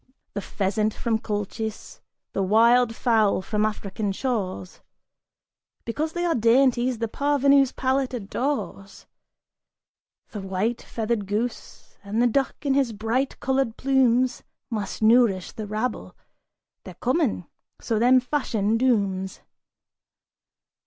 The pheasant from Colchis, the wild fowl from African shores, Because they are dainties, the parvenu's palate adores The white feathered goose, and the duck in his bright colored plumes Must nourish the rabble; they're common, so them Fashion dooms!